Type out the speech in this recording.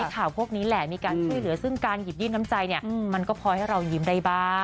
ข่าวพวกนี้แหละมีการช่วยเหลือซึ่งการหยิบยื่นน้ำใจเนี่ยมันก็พอให้เรายิ้มได้บ้าง